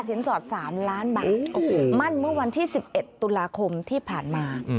สอด๓ล้านบาทโอ้โหมั่นเมื่อวันที่๑๑ตุลาคมที่ผ่านมา